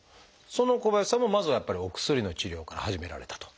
その小林さんもまずはやっぱりお薬の治療から始められたと。